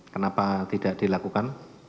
kenapa tidak dilakukan